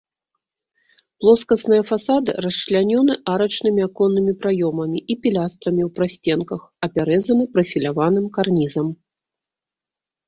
Плоскасныя фасады расчлянёны арачнымі аконнымі праёмамі і пілястрамі ў прасценках, апяразаны прафіляваным карнізам.